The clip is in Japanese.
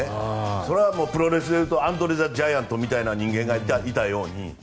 それはプロレスでいうとアンドレ・ザ・ジャイアントみたいな人間がいたように。